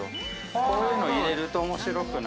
こういうの入れると面白くなる。